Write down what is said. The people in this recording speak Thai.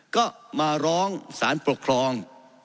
ก็มาร้องสารปกครอง